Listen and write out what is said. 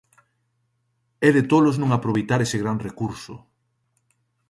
É de tolos non aproveitar ese gran recurso.